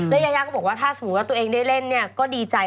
แล้วยายาเขาบอกว่าถ้าสมมุติว่าเธอเองได้เล่นก็ดีใจ